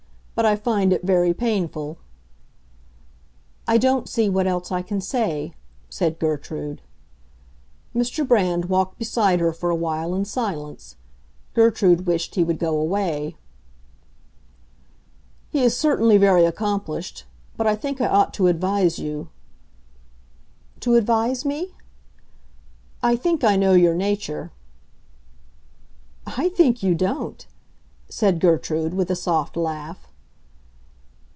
"But I find it very painful." "I don't see what else I can say," said Gertrude. Mr. Brand walked beside her for a while in silence; Gertrude wished he would go away. "He is certainly very accomplished. But I think I ought to advise you." "To advise me?" "I think I know your nature." "I think you don't," said Gertrude, with a soft laugh.